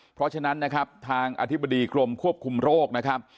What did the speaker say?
เพราะฉะนั้นนะครับทางอธิบดีกรมควบคุมโรคนะครับ